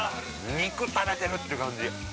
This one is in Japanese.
肉食べてるって感じ